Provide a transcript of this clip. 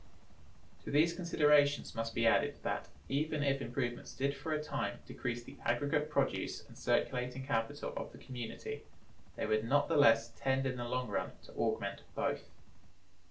(112) To these considerations must be added, that, even if improvements did for a time decrease the aggregate produce and the circulating capital of the community, they would not the less tend in the long run to augment both.